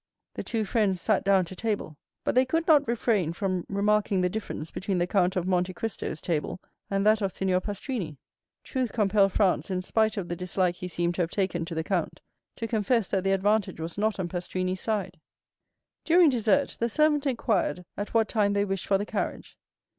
The two friends sat down to table; but they could not refrain from remarking the difference between the Count of Monte Cristo's table and that of Signor Pastrini. Truth compelled Franz, in spite of the dislike he seemed to have taken to the count, to confess that the advantage was not on Pastrini's side. During dessert, the servant inquired at what time they wished for the carriage.